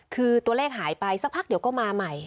คือตัวเลขหายไปสักพักเดี๋ยวก็มาใหม่